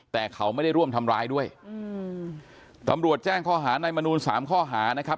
แต่เขาไม่ได้ร่วมทำร้ายด้วยอืมตำรวจแจ้งข้อหานายมนูลสามข้อหานะครับ